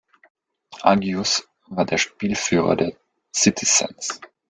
Agius war der Spielführer der "Citizens".